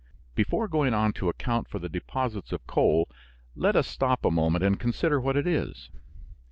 Before going on to account for the deposits of coal, let us stop a moment and consider what it is.